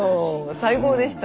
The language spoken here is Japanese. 最高でした。